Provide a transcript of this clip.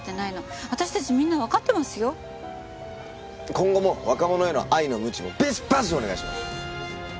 今後も若者への愛のむちをビシバシお願いします。